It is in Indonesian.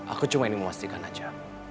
aku cuma ini memastikan aja